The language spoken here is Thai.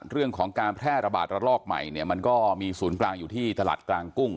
เรื่องของการแพร่ระบาดระลอกใหม่เนี่ยมันก็มีศูนย์กลางอยู่ที่ตลาดกลางกุ้ง